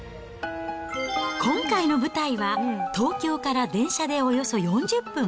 今回の舞台は東京から電車でおよそ４０分。